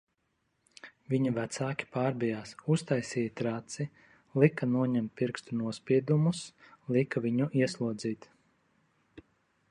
Viņa vecāki pārbijās, uztaisīja traci, lika noņemt pirkstu nospiedumus, lika viņu ieslodzīt...